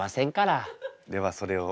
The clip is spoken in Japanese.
ではそれを。